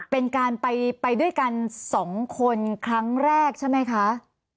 เป็นการไปด้วยกัน๒คนครั้งแรกใช่ไหมคะ